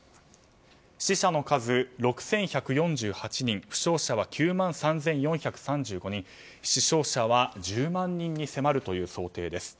死者の数６１４８人負傷者は９万３４３５人死傷者は１０万人に迫るという想定です。